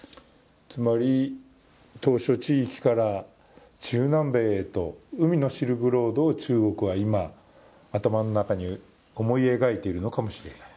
つまり島しょ地域から中南米へと海のシルクロードを中国は今、頭の中に思い描いているのかもしれない。